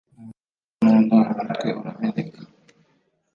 umushyitsi mu nda umutwe urameneka